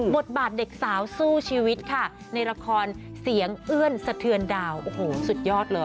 บทบาทเด็กสาวสู้ชีวิตค่ะในละครเสียงเอื้อนสะเทือนดาวโอ้โหสุดยอดเลย